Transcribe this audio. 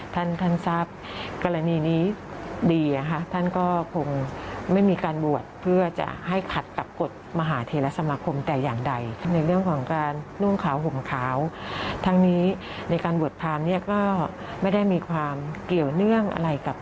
ทางนี้ในการบทพรรณนี้ก็ไม่ได้มีความเกี่ยวเนื่องอะไรกับ